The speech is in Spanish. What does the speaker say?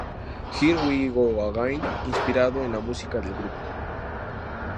Here We Go Again", inspirado en la música del grupo.